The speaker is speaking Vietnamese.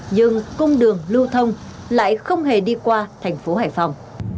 nhưng cung đường lưu thông lại không hề đi qua thành phố hải phòng